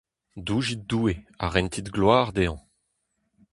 Doujit Doue, ha rentit gloar dezhañ.